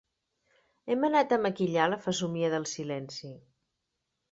Hem anat a maquillar la fesomia del silenci.